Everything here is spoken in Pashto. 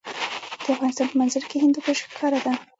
د افغانستان په منظره کې هندوکش ښکاره ده.